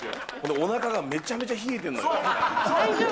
おなかがめちゃくちゃ冷えてそう、そう。